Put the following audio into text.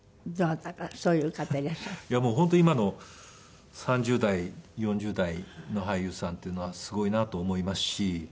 もう本当に今の３０代４０代の俳優さんっていうのはすごいなと思いますし。